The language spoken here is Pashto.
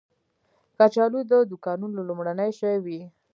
کچالو د دوکانونو لومړنی شی وي